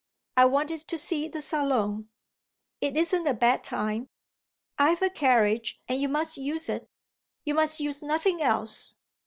I wanted to see the Salon." "It isn't a bad time. I've a carriage and you must use it; you must use nothing else.